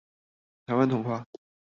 臺灣童話